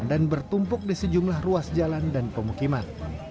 dan bertumpuk di sejumlah ruas jalan dan pemukiman